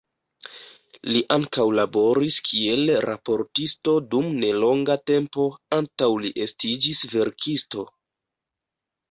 Li ankaŭ laboris kiel raportisto dum nelonga tempo antaŭ li estiĝis verkisto.